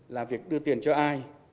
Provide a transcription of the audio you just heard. là việc đưa tiền cho ai